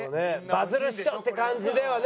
バズるっしょ！って感じではね。